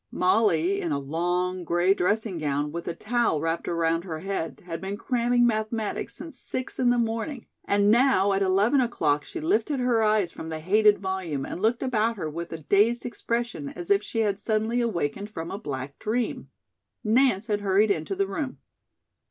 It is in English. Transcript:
Molly, in a long, gray dressing gown, with a towel wrapped around her head, had been cramming mathematics since six in the morning, and now at eleven o'clock, she lifted her eyes from the hated volume and looked about her with a dazed expression as if she had suddenly awakened from a black dream. Nance had hurried into the room.